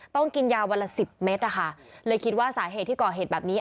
ต้องกินยาวันละสิบเมตรนะคะเลยคิดว่าสาเหตุที่ก่อเหตุแบบนี้